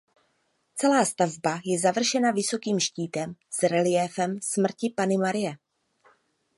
Celá stavba je završena vysokým štítem s reliéfem Smrti Panny Marie.